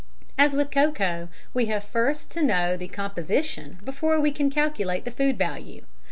As with cocoa, we have first to know the composition before we can calculate the food value.